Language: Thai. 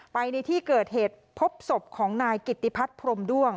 ในที่เกิดเหตุพบศพของนายกิตติพัฒน์พรมด้วง